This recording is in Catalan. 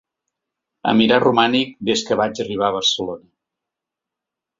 A mirar romànic, des que vaig arribar a Barcelona.